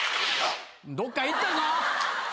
どっか行ったぞ！